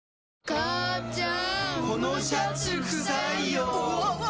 母ちゃん！